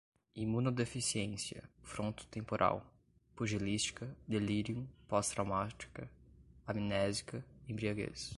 imunodeficiência, frontotemporal, pugilística, delirium, pós-traumática, amnésica, embriaguez